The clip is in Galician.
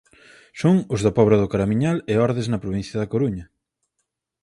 Son os da Pobra do Caramiñal e Ordes na provincia da Coruña.